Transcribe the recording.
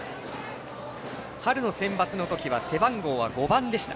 春のセンバツの時は背番号は５番でした。